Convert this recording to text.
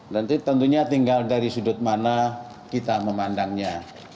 nanti tentunya tinggal dari sudut mana kita memandangnya